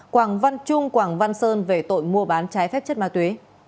quảng văn trung quảng văn sơn về tội mua bán trái phép chất ma túy